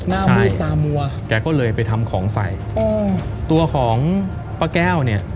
หน้ามืดตามัวแกก็เลยไปทำของใส่อืมตัวของป้าแก้วเนี่ย